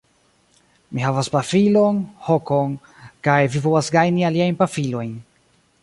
Mi havas pafilon, hokon... kaj vi povas gajni aliajn pafilojn.